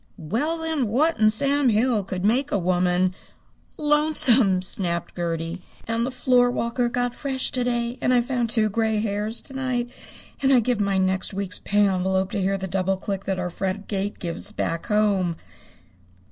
"Well, then, what in Sam Hill could make a woman " "Lonesome!" snapped Gertie. "And the floorwalker got fresh to day. And I found two gray hairs to night. And I'd give my next week's pay envelope to hear the double click that our front gate gives back home."